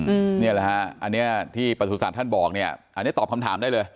นี่แหละฮะอันเนี้ยที่ประสุทธิ์ท่านบอกเนี่ยอันนี้ตอบคำถามได้เลย